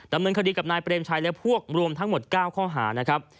ดำเนินคดีกับนายเปรมชัยและพวกรวมทั้งหมด๙ข้อหานะครับ